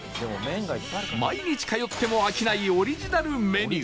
毎日通っても飽きないオリジナルメニュー